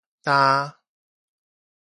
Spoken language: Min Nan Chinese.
今